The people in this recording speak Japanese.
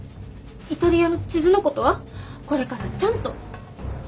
イタリアの地図のことはこれからちゃんと。